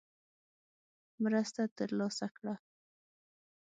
مرسته ترلاسه کړه.